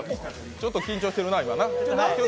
ちょっと緊張してるな、今な。